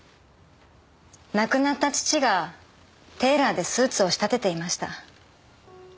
亡くなった父がテーラーでスーツを仕立てていました。